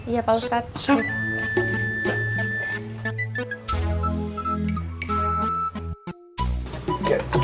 iya pak ustadz